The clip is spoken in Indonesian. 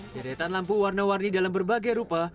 deretan lampu warna warni dalam berbagai rupa